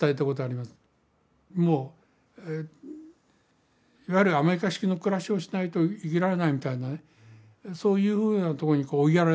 もういわゆるアメリカ式の暮らしをしないと生きられないみたいなねそういうふうなとこに追いやられていく。